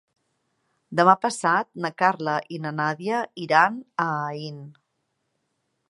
Demà passat na Carla i na Nàdia iran a Aín.